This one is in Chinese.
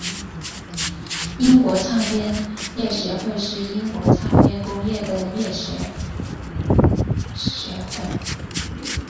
英国唱片业协会是英国唱片工业的行业协会。